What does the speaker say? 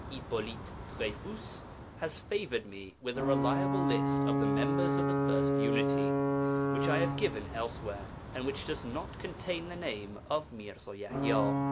Hippolyte Dreyfus has favoured me with a reliable list of the members of the First Unity, which I have given elsewhere, and which does not contain the name of Mirza Yaḥya.